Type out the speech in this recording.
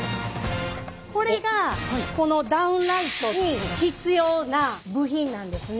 これがこのダウンライトに必要な部品なんですね。